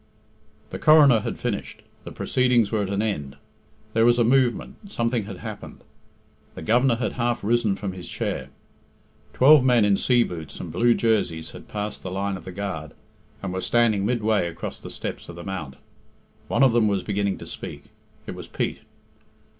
The Coroner had finished, the proceedings were at an end there was a movement something had happened the Governor had half risen from his chair. Twelve men in sea boots and blue jerseys had passed the line of the guard, and were standing midway across the steps of the mount. One of them was beginning to speak. It was Pete.